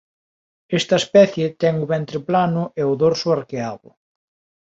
Esta especie ten o ventre plano e o dorso arqueado.